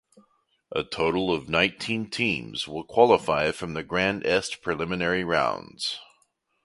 A total of nineteen teams will qualify from the Grand Est preliminary rounds.